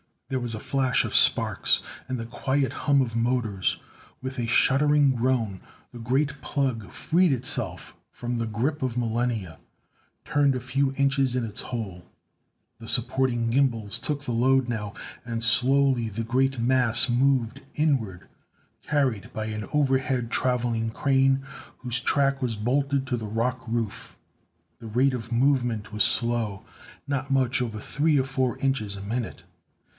There was a flash of sparks, and the quiet hum of motors. With a shuddering groan the great plug freed itself from the grip of millennia; turned a few inches in its hole. The supporting gimbals took the load now, and slowly the great mass moved inward, carried by an overhead traveling crane whose track was bolted to the rock roof. The rate of movement was slow, not much over three or four inches a minute.